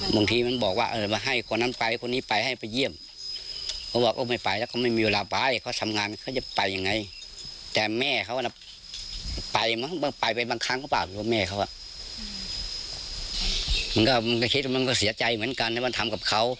มันก็คิดว่ามันเสียใจเหมือนกันบั้นทำของเขา